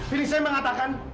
ini saya mengatakan